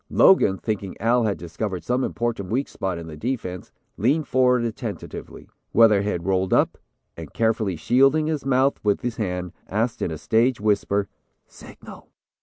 Logan, thinking Al had discovered some important weak spot in the defense, leaned forward attentively. Weatherhead rolled up, and carefully shielding his mouth with his hand, asked in a stage whisper 'Signal.'